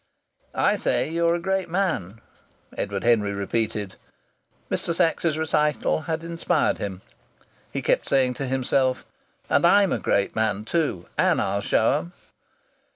"I say you are a great man!" Edward Henry repeated. Mr. Sachs's recital had inspired him. He kept saying to himself: "And I'm a great man, too. And I'll show 'em."